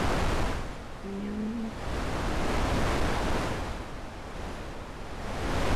Esto suponía un abandono parcial por parte de Maček de sus aliados serbios.